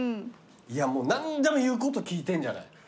いやもう何でも言うこと聞いてんじゃない？